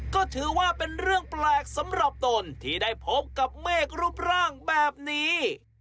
ก็ถือว่าเป็นเรื่องแปลกสำหรับตนที่ได้พบกับเมฆรูปร่างแบบนี้